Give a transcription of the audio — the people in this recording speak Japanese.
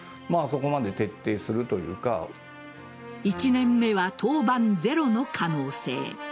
１年目は登板ゼロの可能性。